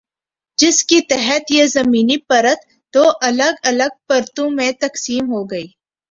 جس کی تحت یہ زمینی پرت دو الگ الگ پرتوں میں تقسیم ہوگی۔